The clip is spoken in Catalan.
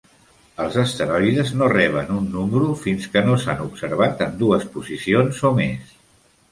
Els asteroides no reben un número fins que no s"han observat en dues posicions o més.